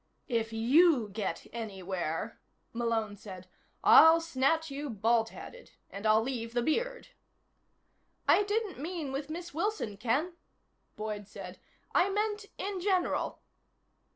"If you get anywhere," Malone said, "I'll snatch you baldheaded. And I'll leave the beard." "I didn't mean with Miss Wilson, Ken," Boyd said. "I meant in general."